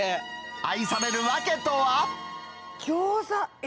愛される訳とは。